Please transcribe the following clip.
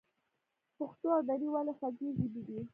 پښتو او دري ولې خوږې ژبې دي؟